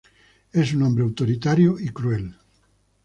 Es un hombre autoritario y cruel.